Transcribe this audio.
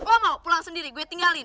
gue mau pulang sendiri gue tinggalin